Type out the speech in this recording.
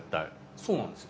そうなんですよ。